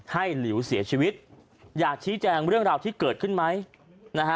หลิวเสียชีวิตอยากชี้แจงเรื่องราวที่เกิดขึ้นไหมนะฮะ